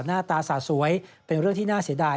หน้าตาสะสวยเป็นเรื่องที่น่าเสียดาย